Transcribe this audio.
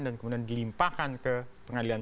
dan kemudian dilimpahkan ke pengadilan